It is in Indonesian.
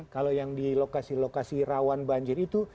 kalau yang di lokasi lokasi rawan banjir itu